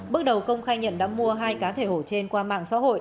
bước đầu công khai nhận đã mua hai cá thể hổ trên qua mạng